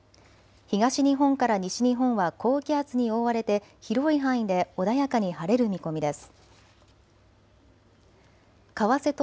東日本から西日本は高気圧に覆われて広い範囲で穏やかに晴れる見込みです。